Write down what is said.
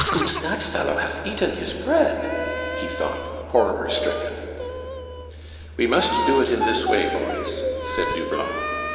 "Und dat fellow haf eaten his pread!" he thought, horror stricken. "We must do it in this way, boys," said Doublon.